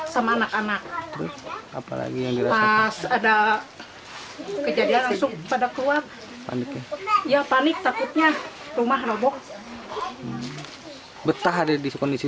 sama anak anak apalagi ada kejadian pada keluar panik takutnya rumah roboh betah ada di kondisi